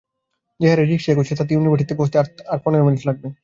যে হারে রিকশা এগুচ্ছে, তাতে ইউনিভার্সিটিতে পৌঁছতে তাঁর আরো পনের মিনিট লাগবে।